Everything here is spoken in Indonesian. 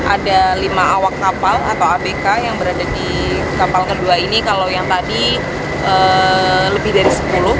ada lima awak kapal atau abk yang berada di kapal kedua ini kalau yang tadi lebih dari sepuluh